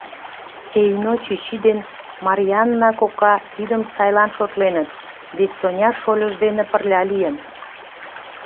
Эйно чӱчӱ ден Марйаана кока тидым сайлан шотленыт, вет Соня шольыж дене пырля лийын.